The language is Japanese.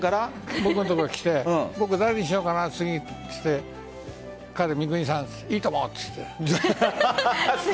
僕のところに来て誰にしようかなと言って彼、三國さんいいともと言って。